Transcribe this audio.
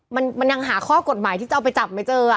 มันยังหาข้อกฎหมายที่จะเอาไปจับไม่เจอ